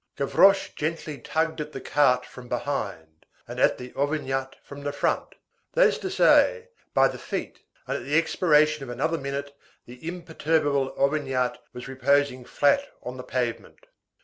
Gavroche gently tugged at the cart from behind, and at the Auvergnat from the front, that is to say, by the feet, and at the expiration of another minute the imperturbable Auvergnat was reposing flat on the pavement.